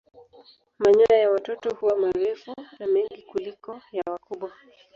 Manyoya ya watoto huwa marefu na mengi kuliko ya wakubwa.